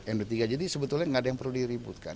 md tiga jadi sebetulnya enggak ada yang perlu diributkan